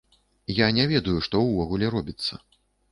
Я не ведаю, што ўвогуле робіцца.